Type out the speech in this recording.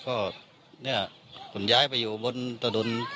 ก็เนี้ยผลย้ายขยายไปอยู่บนอ่า